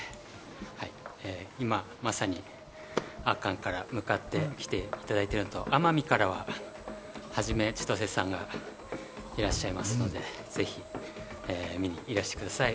今まさに阿寒から向かって来ていただいている奄美からは元ちとせさんがいらっしゃいますので、ぜひ見にいらしてください。